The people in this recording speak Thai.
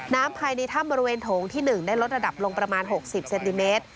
ภายในถ้ำบริเวณโถงที่๑ได้ลดระดับลงประมาณ๖๐เซนติเมตร